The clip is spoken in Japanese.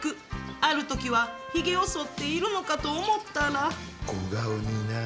あるときはひげをそっているのかと思ったら。